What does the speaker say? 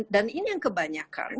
dan ini yang kebanyakan